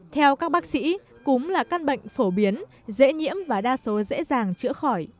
theo các bác sĩ cúm là căn bệnh phổ biến dễ nhiễm và đa số dễ dàng chữa khỏi